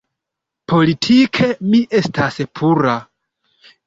Politike mi estas pura.